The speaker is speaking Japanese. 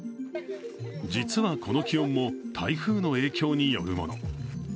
実は、この気温も台風の影響によるもの。